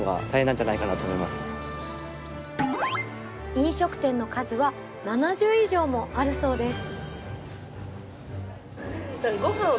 飲食店の数は７０以上もあるそうです！